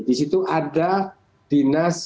disitu ada dinas